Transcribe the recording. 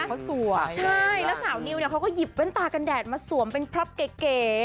เขาสวยใช่แล้วสาวนิวเนี่ยเขาก็หยิบแว่นตากันแดดมาสวมเป็นพล็อปเก๋